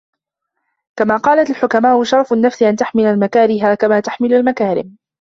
كَمَا قَالَتْ الْحُكَمَاءُ شَرَفُ النَّفْسِ أَنْ تَحْمِلَ الْمَكَارِهَ كَمَا تَحْمِلُ الْمَكَارِمَ